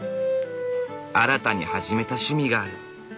新たに始めた趣味がある。